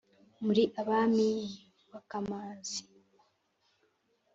muri abami b’akamazi